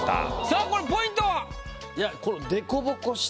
さあこれポイントは？